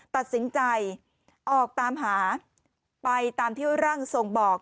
ตัดสินใจออกตามหาไปตามที่ร่างทรงบอก